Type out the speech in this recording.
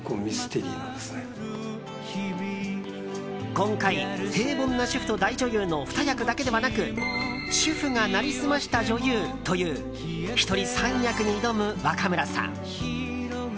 今回、平凡な主婦と大女優の二役だけではなく主婦が成り済ました女優という１人３役に挑む若村さん。